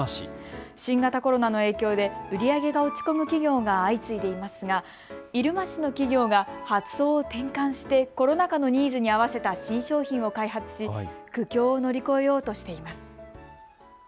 新型コロナの影響で売り上げが落ち込む企業が相次いでいますが入間市の企業が発想を転換してコロナ禍のニーズに合わせた新商品を開発し、苦境を乗り越えようとしています。